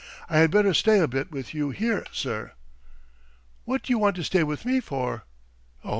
I had better stay a bit with you here, sir. ..." "What do you want to stay with me for?" "Oh